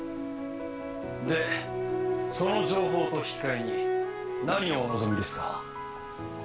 「でその情報と引き換えに何をお望みですか？」